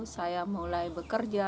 saya mulai bekerja